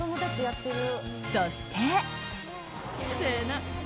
そして。